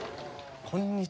こんにちは。